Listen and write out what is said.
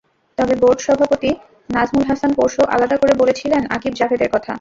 তবে বোর্ড সভাপতি নাজমুল হাসান পরশু আলাদা করে বলেছিলেন আকিব জাভেদের কথা।